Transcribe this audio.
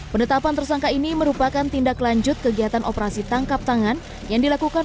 penetapan tersangka ini merupakan tindak lanjut kegiatan operasi tangkap tangan yang dilakukan